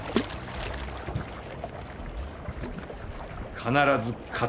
必ず勝つ。